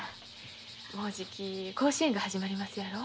もうじき甲子園が始まりますやろ。